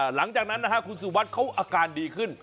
หลังจากนั้นคุณสุวัสดิ์เขาอาการดีขึ้น